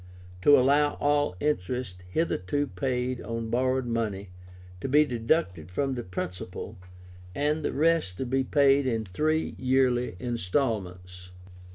To allow all interest hitherto paid on borrowed money to be deducted from the principal, and the rest to be paid in three yearly instalments.